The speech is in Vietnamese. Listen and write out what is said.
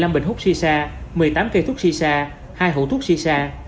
một mươi năm bình hút si sa một mươi tám cây thuốc si sa hai hũ thuốc si sa